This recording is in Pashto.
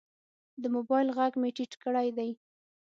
د موبایل غږ مې ټیټ کړی دی.